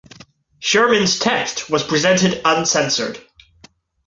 Sherman's text was presented uncensored.